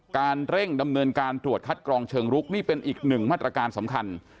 เร่งดำเนินการตรวจคัดกรองเชิงลุกนี่เป็นอีกหนึ่งมาตรการสำคัญ